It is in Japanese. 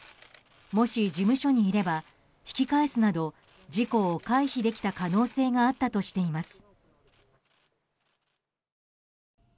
もし事務所にいれば引き返すなど事故を回避できた可能性があったとしています。